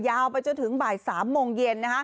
ยาวไปจนถึงบ่าย๓โมงเย็น